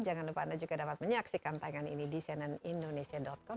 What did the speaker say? jangan lupa anda juga dapat menyaksikan tayangan ini di cnnindonesia com